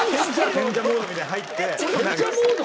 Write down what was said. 賢者モードみたいなの入って。